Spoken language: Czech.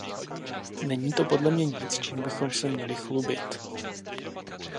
Není to podle mě nic, čím bychom se měli chlubit.